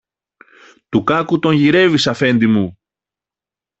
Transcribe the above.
του κάκου τον γυρεύεις, Αφέντη μου!